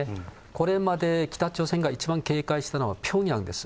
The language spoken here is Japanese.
これまで北朝鮮が一番警戒したのはピョンヤンです。